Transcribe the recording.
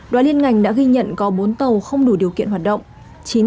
đoàn liên ngành đã ghi nhận có bốn tàu không đủ điều kiện hoạt động